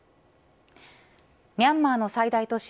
ミャンマーの最大都市